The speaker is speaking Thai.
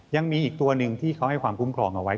ยังมีอีกตัวหนึ่งที่เขาให้ความคุ้มครองเอาไว้